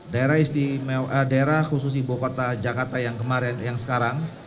daerah khusus ibu kota jakarta yang sekarang